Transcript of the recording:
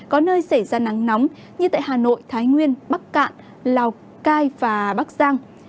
có nơi xảy ra nắng nóng như tại hà nội thái nguyên bắc cạn lào cai và bắc giang